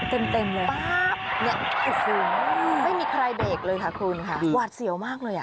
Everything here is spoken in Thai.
เต็มเลยไม่มีใครเบรกเลยค่ะคุณค่ะหวาดเสี่ยวมากเลย